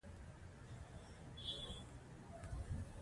مطلقه یا ځانګړې اجاره یو بل ډول دی